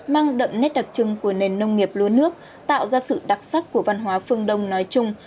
mang đậm nét đặc trưng của nền nông nghiệp lúa nước tạo ra sự đặc sắc của văn hóa phương đông nói chung